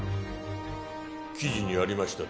記事にありました